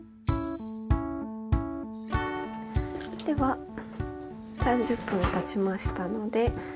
では３０分たちましたので。